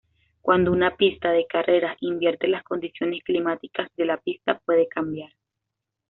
Cuando una pista de carreras invierte, las condiciones climáticas de la pista pueden cambiar.